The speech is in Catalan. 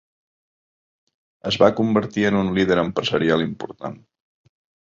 Es va convertir en un líder empresarial important.